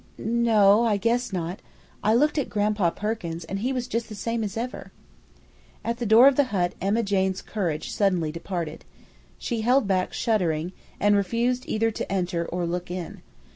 "N no; I guess not. I looked at Gran'pa Perkins, and he was just the same as ever." At the door of the hut Emma Jane's courage suddenly departed. She held back shuddering and refused either to enter or look in.